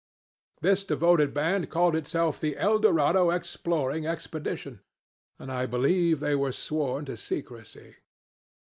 "This devoted band called itself the Eldorado Exploring Expedition, and I believe they were sworn to secrecy.